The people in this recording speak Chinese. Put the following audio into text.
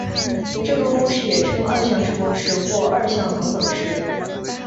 这个公式也称二项式公式或二项恒等式。